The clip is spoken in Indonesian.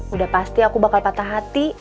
udah pasti aku bakal patah hati